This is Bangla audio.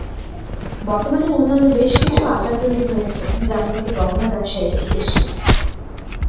বর্তমানে অন্যান্য বেশকিছু আচার তৈরি হয়েছে, যা মূলত গহনা ব্যবসায়ীদের সৃষ্টি।